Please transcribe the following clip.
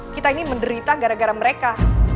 kita ini menderita gara gara mereka